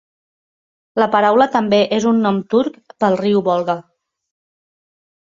La paraula també és un nom turc pel riu Volga.